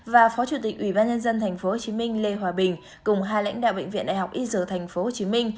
và phó chủ tịch ủy ban nhân dân tp hcm lê hòa bình cùng hai lãnh đạo bệnh viện đại học y dược tp hcm